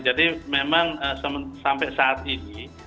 jadi memang sampai saat ini